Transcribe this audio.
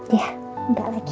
iya enggak lagi